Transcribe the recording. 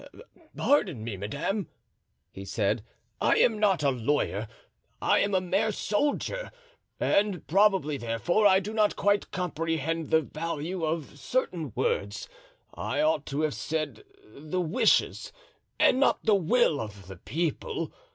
"Pardon, madame," he said, "I am not a lawyer, I am a mere soldier, and probably, therefore, I do not quite comprehend the value of certain words; I ought to have said the wishes, and not the will, of the people.